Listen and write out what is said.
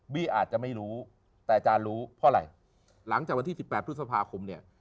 อาจจะไม่รู้แต่อาจารย์รู้เพราะอะไรหลังจากวันที่๑๘พฤษภาคมเนี่ย